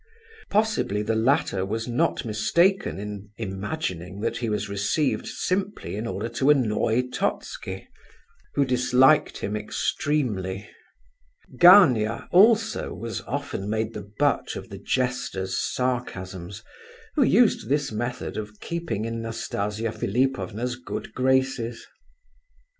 Possibly the latter was not mistaken in imagining that he was received simply in order to annoy Totski, who disliked him extremely. Gania also was often made the butt of the jester's sarcasms, who used this method of keeping in Nastasia Philipovna's good graces.